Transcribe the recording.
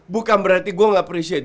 bukan berarti gue gak presiden